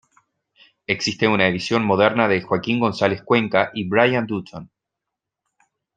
Existe una edición moderna de Joaquín González Cuenca y Brian Dutton.